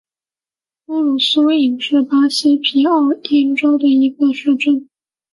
乌鲁苏伊是巴西皮奥伊州的一个市镇。